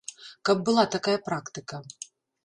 Каб была такая практыка.